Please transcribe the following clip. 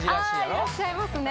あいらっしゃいますね。